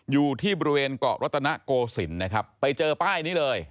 อยู่ที่บริเวณเกาะรัตนโกศิลป์นะครับไปเจอป้ายนี้เลย